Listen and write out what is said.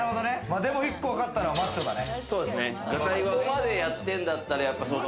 １個わかったのはマッチョだね。